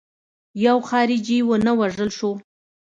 یو خارجي ونه وژل شو.